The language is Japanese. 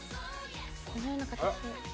このような形に。